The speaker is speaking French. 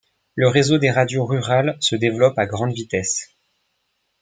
Le réseau des radios rurales se développe à grande vitesse.